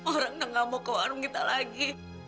orang nggak mau ke warung kita lagi